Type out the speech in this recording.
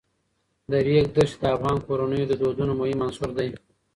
د ریګ دښتې د افغان کورنیو د دودونو مهم عنصر دی.